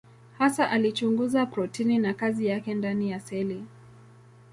Hasa alichunguza protini na kazi yake ndani ya seli.